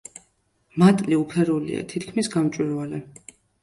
მატლი უფერულია, თითქმის გამჭვირვალე.